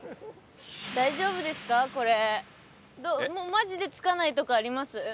マジで着かないとかあります？